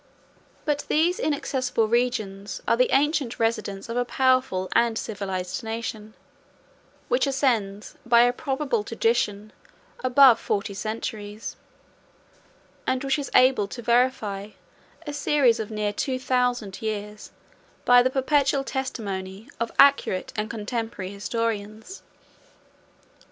But those inaccessible regions are the ancient residence of a powerful and civilized nation, 22 which ascends, by a probable tradition, above forty centuries; 23 and which is able to verify a series of near two thousand years, by the perpetual testimony of accurate and contemporary historians.